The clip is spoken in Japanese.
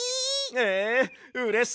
ええうれしいよ！